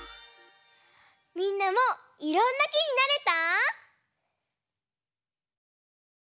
みんなもいろんなきになれた？